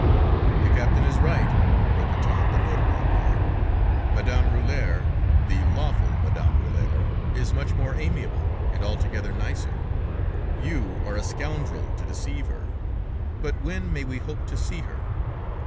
"The captain is quite right," Roquetton the notary opined; "Madame Rulhiére, the lawful Madame Rulhiére, is much more amiable, and altogether nicer. You are a scoundrel to deceive her; but when may we hope to see her?"